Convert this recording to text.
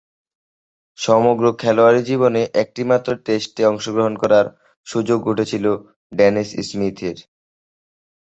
সমগ্র খেলোয়াড়ী জীবনে একটিমাত্র টেস্টে অংশগ্রহণ করার সুযোগ ঘটেছিল ডেনিস স্মিথের।